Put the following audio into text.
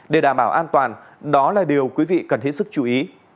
để đảm bảo an toàn đó là điều quý vị cần hết sức chú ý